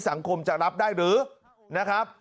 สังคมจะรับได้หรือนะครับ